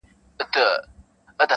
• کشکي ستا په خاطر لمر وای راختلی -